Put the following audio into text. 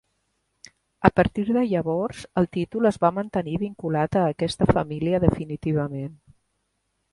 A partir de llavors el títol es va mantenir vinculat a aquesta família definitivament.